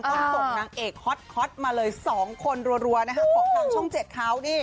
ต้องส่งนางเอกฮอตมาเลย๒คนรัวของช่องเศษเขา